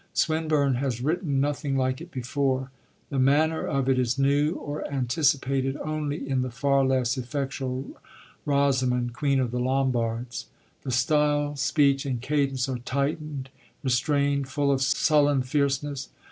Swinburne has written nothing like it before. The manner of it is new, or anticipated only in the far less effectual Rosamund, Queen of the Lombards; the style, speech, and cadence are tightened, restrained, full of sullen fierceness.